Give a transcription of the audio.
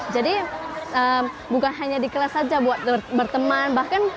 jadi bukan hanya di kelas aja berteman